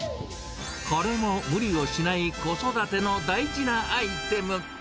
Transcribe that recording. これも無理をしない子育ての大事なアイテム。